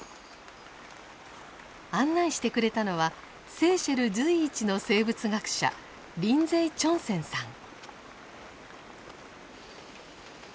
案内してくれたのはセーシェル随一の生物学者リンゼイ・チョンセンさん。